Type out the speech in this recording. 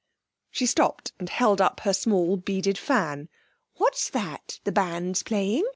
She stopped and held up her small beaded fan, 'what's that the band's playing?